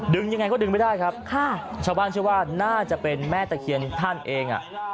ยังไงก็ดึงไม่ได้ครับค่ะชาวบ้านเชื่อว่าน่าจะเป็นแม่ตะเคียนท่านเองอ่ะ